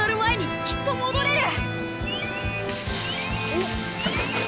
おっ。